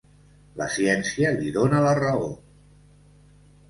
La ciència li dóna la raó.